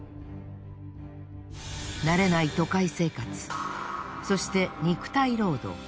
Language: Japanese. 慣れない都会生活そして肉体労働。